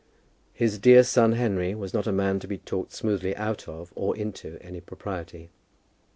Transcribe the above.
His dear son Henry was not a man to be talked smoothly out of, or into, any propriety.